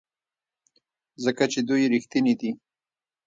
ځکه چې دوی ریښتیني دي.